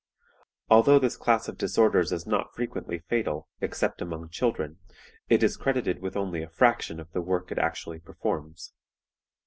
Although this class of disorders is not frequently fatal, except among children, it is credited with only a fraction of the work it actually performs.